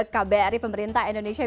kbri pemerintah indonesia